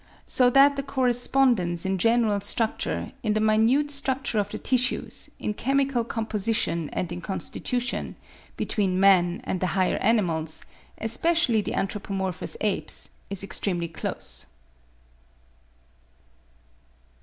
So that the correspondence in general structure, in the minute structure of the tissues, in chemical composition and in constitution, between man and the higher animals, especially the anthropomorphous apes, is extremely close.